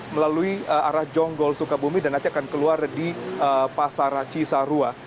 melalui arah jonggol sukabumi dan nanti akan keluar di pasar cisarua